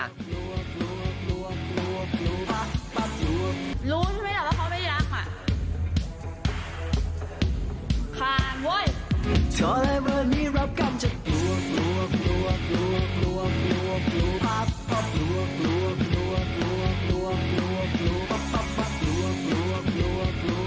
รู้ใช่ไหมครับว่าเขาไม่รัก